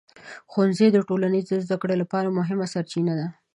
ښوونځي د ټولنیز زده کړو لپاره مهمه سرچینه ده.